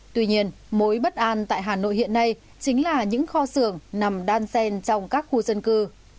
tuy nhiên mối bất an tại hà nội hiện nay chính là những kho xưởng nằm đan sen trong các khu dân cư